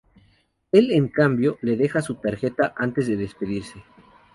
Él en cambio, le deja su tarjeta antes de despedirse.